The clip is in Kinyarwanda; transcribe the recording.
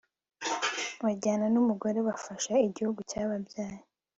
Bajyana numugore bafashe igihugu cyababyaye